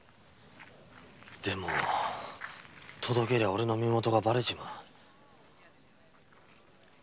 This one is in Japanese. でも届けりゃおれの身元がバレちまう。